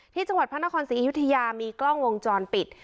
ที่จังหวัดพระนครศรีอยุธยามีกล้องวงจรปิด